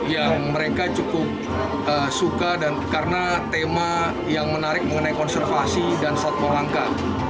yang mereka cukup suka karena tema yang menarik mengenai konservasi dan satwa langka